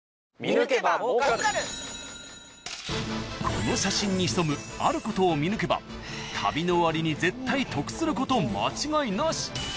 ［この写真に潜むあることを見抜けば旅の終わりに絶対得すること間違いなし］